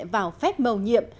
vào phép mầu nhiệm